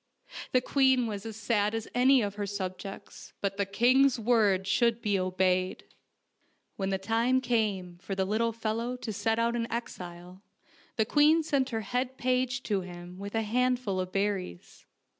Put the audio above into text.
The queen was as sad as any of her subjects, but the king's word should be obeyed. When the time came for the little fellow to set out into exile the queen sent her head page to him with a handful of berries.